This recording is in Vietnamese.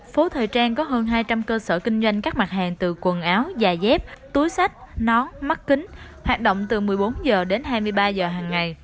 phố thời trang có hơn hai trăm linh cơ sở kinh doanh các mặt hàng từ quần áo giày dép túi sách nón mắt kính hoạt động từ một mươi bốn h đến hai mươi ba h hàng ngày